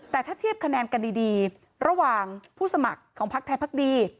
แต่ถ้าเทียบคะแนนกันดีระหว่างผู้สมัครของพักไทยพักดี